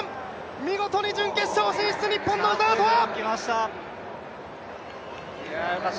見事に準決勝進出、日本の鵜澤飛羽！